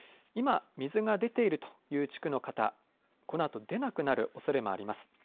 今、水が出ているという地区の方このあと出なくなるおそれもあります。